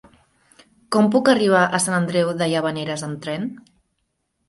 Com puc arribar a Sant Andreu de Llavaneres amb tren?